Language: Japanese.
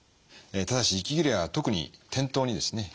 ただし息切れや特に転倒にですね